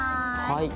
はい。